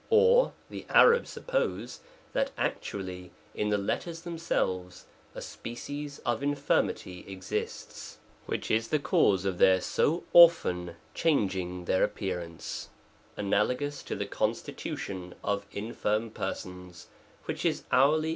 Or, the Arabs sup pose, that actually, in the letters themselves, a species * of infirmity exists; which is the cause of their so often changing their appearance ; analogous to the constitution of infirm person^ which is hourly.